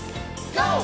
ＧＯ！